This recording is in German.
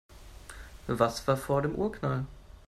Was war vor dem Urknall?